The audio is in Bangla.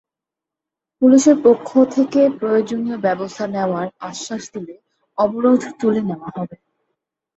পুলিশের পক্ষ থেকে প্রয়োজনীয় ব্যবস্থা নেওয়ার আশ্বাস দিলে অবরোধ তুলে নেওয়া হবে।